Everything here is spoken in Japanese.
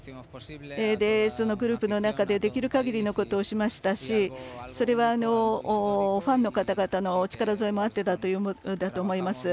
グループの中でできる限りのことをしましたしそれはファンの方々のお力添えもあってだと思います。